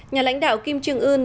nhà lãnh đạo kim trương ươn